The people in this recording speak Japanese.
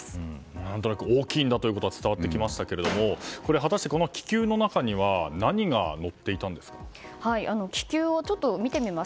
何となく大きいんだということは伝わってきましたけども果たして、この気球の中には気球を見てみます。